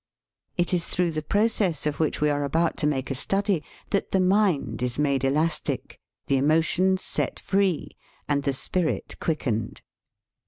It is through the process of which we are about to make a study that the mind is made elastic, the emotions set free, and the spirit quickened.